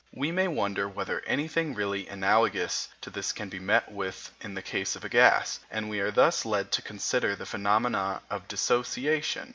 We may wonder whether anything really analogous to this can be met with in the case of a gas, and we are thus led to consider the phenomena of dissociation.